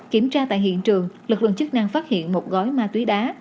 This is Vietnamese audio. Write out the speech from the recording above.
kiểm tra tại hiện trường lực lượng chức năng phát hiện một gói ma túy đá